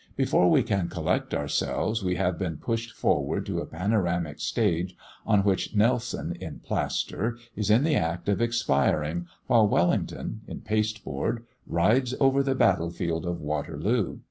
Before we can collect ourselves, we have been pushed forward to a panoramic stage, on which Nelson, in plaster, is in the act of expiring, while Wellington, in pasteboard, rides over the battle field of Waterloo.